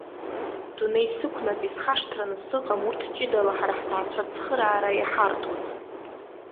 Дунеи сықәнаҵ исхашҭраны сыҟам урҭ ҷыдала ҳара ҳҭаацәа ацхыраара иҳарҭоз.